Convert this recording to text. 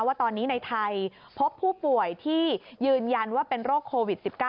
ว่าตอนนี้ในไทยพบผู้ป่วยที่ยืนยันว่าเป็นโรคโควิด๑๙